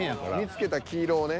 見つけた黄色をね。